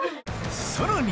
さらに！